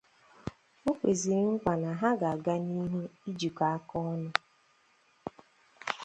O kwezịrị nkwa na ha ga-aga n'ihu ijikọ aka ọnụ